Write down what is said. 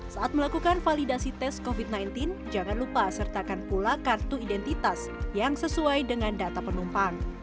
saat melakukan validasi tes covid sembilan belas jangan lupa sertakan pula kartu identitas yang sesuai dengan data penumpang